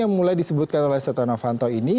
yang mulai disebutkan oleh setia novanto ini